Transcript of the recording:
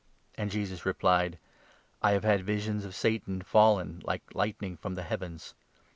And Jesus replied : 10 " I have had visions of Satan, fallen, like lightning from the heavens.